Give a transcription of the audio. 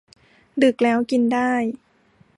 ดึกแล้วกินได้